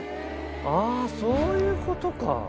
ああそういうことか。